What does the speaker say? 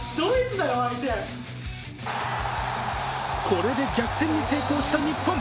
これで逆転に成功した日本。